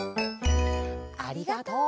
ありがとう。